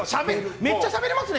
めっちゃしゃべりますね。